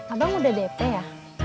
abang udah dp ya